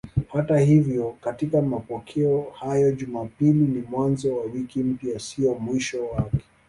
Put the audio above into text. Hata hivyo katika mapokeo hayo Jumapili ni mwanzo wa wiki mpya, si mwisho wake.